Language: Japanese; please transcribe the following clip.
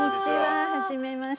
はじめまして。